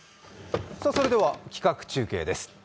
それでは企画中継です。